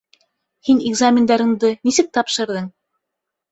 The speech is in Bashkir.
Һин экзамендарыңды нисек тапшырҙың?